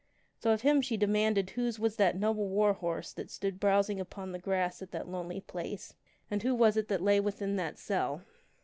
So of him she demanded whose was that noble war horse that stood browsing upon the grass at that lonely place, and who was it that lay within that cell.